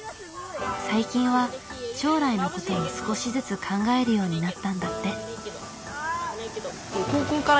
最近は将来のことも少しずつ考えるようになったんだって。